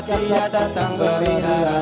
putih rambut besi tetapi